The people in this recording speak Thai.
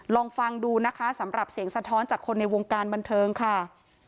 ลองฟังดูนะคะสำหรับเสียงสะท้อนจากคนในวงการบันเทิงค่ะ